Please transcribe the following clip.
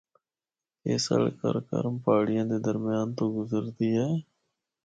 اے سڑک قراقرم پہاڑیاں دے درمیان تو گزردی ہے۔